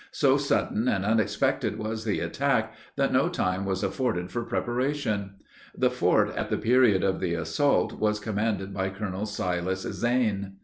So sudden and unexpected was the attack, that no time was afforded for preparation. The fort, at the period of the assault was commanded by Colonel Silas Zane.